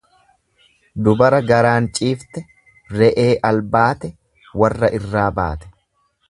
Dubara garaan ciifte, re'ee albaate, warra irraa baate.